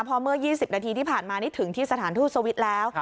พอเมื่อ๒๐นาทีที่ผ่านมานี่ถึงที่สถานทูตสวิตช์แล้ว